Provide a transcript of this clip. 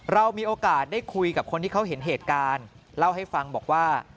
เรามีโอกาสได้คุยกับคนที่เขาเห็นเหตุการณ์เล่าให้ฟังบอกว่า